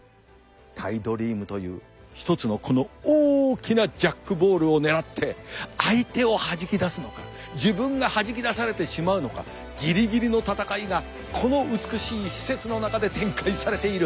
タイドリームという一つのこの大きなジャックボールを狙って相手をはじき出すのか自分がはじき出されてしまうのかギリギリの闘いがこの美しい施設の中で展開されている。